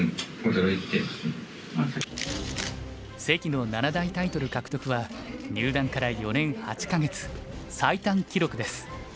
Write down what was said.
関の七大タイトル獲得は入段から４年８か月最短記録です。